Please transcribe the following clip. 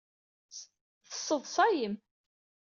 Teṣṣeḍṣayem.